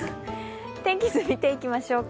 天気図を見ていきましょうか。